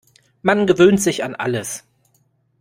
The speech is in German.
Man gewöhnt sich an alles.